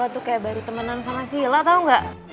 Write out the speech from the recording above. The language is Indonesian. tuh kayak baru temenan sama sila tau gak